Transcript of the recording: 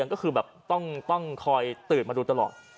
ก็คือแบบต้องคอยตื่นมาดูตลอด